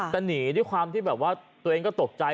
แต่นี่ด้วยความที่ให้ตัวเองตกใจ